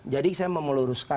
jadi saya mau meluruskan